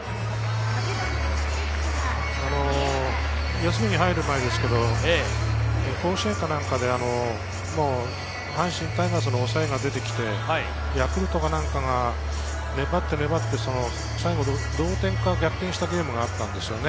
休みに入る前ですけど、甲子園か何かで阪神タイガースの抑えが出て来て、ヤクルトかなんかが粘って粘って最後同点か逆転したゲームがあったんですよね。